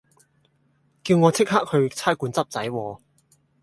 叫我即刻去差館執仔喎